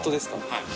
はい。